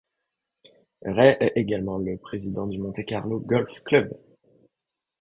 Rey est également le président du Monte-Carlo Golf Club.